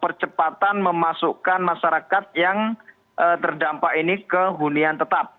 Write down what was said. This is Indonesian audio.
percepatan memasukkan masyarakat yang terdampak ini ke hunian tetap